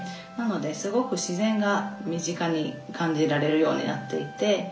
なのですごく自然が身近に感じられるようになっていて。